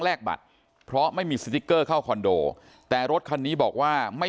บัตรเพราะไม่มีสติ๊กเกอร์เข้าคอนโดแต่รถคันนี้บอกว่าไม่